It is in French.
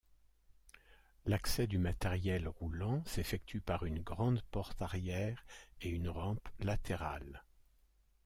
L'accès du matériel roulant s'effectue par une grande porte arrière et une rampe latérale.